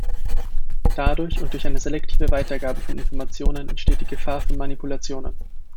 Dadurch und durch eine selektive Weitergabe von Informationen entsteht die Gefahr von Manipulationen.